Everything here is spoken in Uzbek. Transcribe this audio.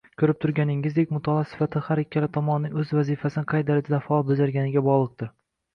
Koʻrib turganingizdek, mutolaa sifati har ikkala tomonning oʻz vazifasini qay darajada faol bajarganiga bogʻliqdir